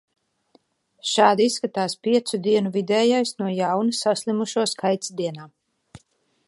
Šādi izskatās piecas dienu vidējais no jauna saslimušo skaits dienā.